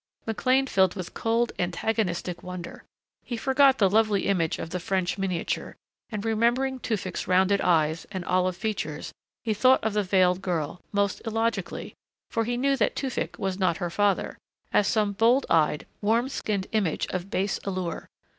McLean filled with cold, antagonistic wonder. He forgot the lovely image of the French miniature, and remembering Tewfick's rounded eyes and olive features he thought of the veiled girl most illogically, for he knew that Tewfick was not her father as some bold eyed, warm skinned image of base allure.